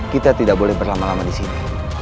kita tidak boleh berlama lama disini